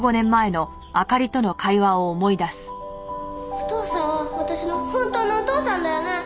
お父さんは私の本当のお父さんだよね？